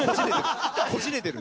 こじれてる。